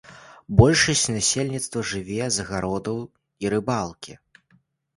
Большасць насельніцтва жыве з агародаў і рыбалкі.